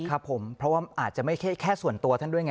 ครับผมเพราะว่าอาจจะไม่ใช่แค่ส่วนตัวท่านด้วยไง